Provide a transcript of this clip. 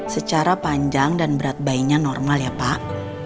secara panjang dan berat bayinya normal ya pak